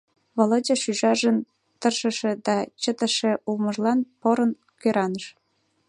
Володя шӱжаржын тыршыше да чытыше улмыжлан порын кӧраныш.